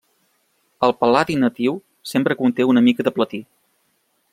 El pal·ladi natiu sempre conté una mica de platí.